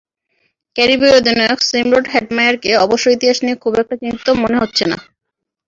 ক্যারিবীয় অধিনায়ক শিমরন হেটমায়ারকে অবশ্য ইতিহাস নিয়ে খুব একটা চিন্তিত মনে হচ্ছে না।